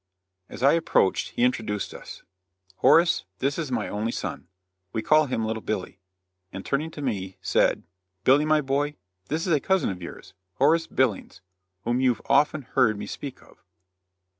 As I approached he introduced us. "Horace, this is my only son. We call him little Billy;" and turning to me said: "Billy, my boy, this is a cousin of yours, Horace Billings, whom you've often heard me speak of."